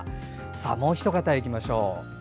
もうひと方行きましょう。